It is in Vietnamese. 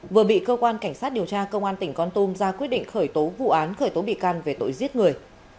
vừa bị cơ quan cảnh sát điều tra công an tỉnh con tum ra quyết định khởi tố vụ án khởi tố bị can về tội giết người